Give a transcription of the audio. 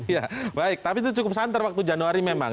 ya baik tapi itu cukup santer waktu januari memang